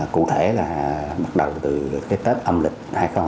cụ thể là bắt đầu từ tết âm lịch hai nghìn hai mươi ba